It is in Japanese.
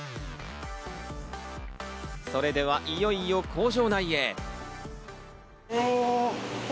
それではいよいよ工場内へ。